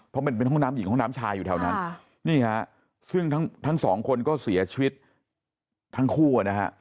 เพราะมันเป็นห้องน้ำหญิงห้องน้ำชายอยู่แถวนั้นนี่ฮะซึ่งทั้งสองคนก็เสียชีวิตทั้งคู่นะฮะ